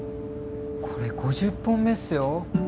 これ５０本目っすよ。